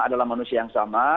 adalah manusia yang sama